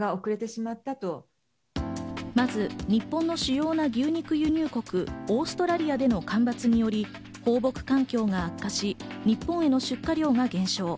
まず日本の主要な輸入国のオーストラリアでの干ばつにより放牧環境が悪化し、日本への出荷量が減少。